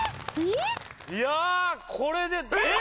いやこれでえっ？